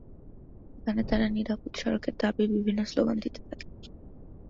সেখানে তারা নিরাপদ সড়কের দাবি বিভিন্ন স্লোগান দিতে থাকে।